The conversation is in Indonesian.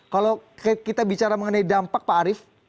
kalau kita bicara mengenai dampak pak arief